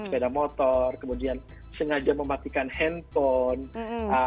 sepeda motor kemudian sengaja mematikan handphone